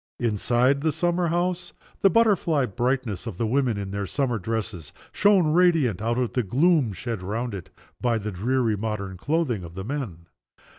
Inside the summer house the butterfly brightness of the women in their summer dresses shone radiant out of the gloom shed round it by the dreary modern clothing of the men.